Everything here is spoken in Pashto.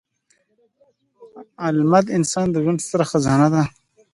علمد انسان د ژوند ستره خزانه ده.